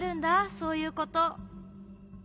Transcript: そういうこと。